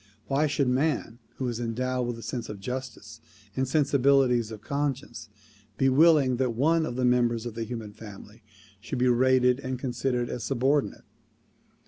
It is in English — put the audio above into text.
Why should man who is endowed with the sense of justice and sensibilities of conscience be willing that one of the members of the human family should be rated and considered as subordinate?